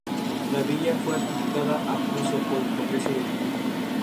La villa fue adjudicada a Prusia por el Congreso de Viena.